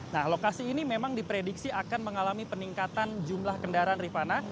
nah lokasi ini memang diprediksi akan mengalami peningkatan jumlah kendaraan rifana